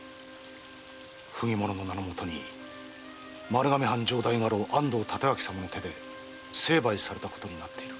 不義者の名のもとに丸亀藩城代家老・安藤帯刀様の手で成敗されたことになっている。